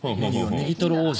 ネギトロ王子。